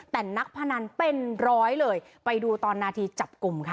แต่นักพนันเป็นร้อยเลยไปดูตอนนาทีจับกลุ่มค่ะ